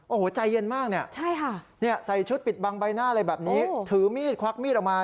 โอ้โหใจเย็นมากเนี่ยใส่ชุดปิดบังใบหน้าอะไรแบบนี้ถือมีดควักมีดออกมา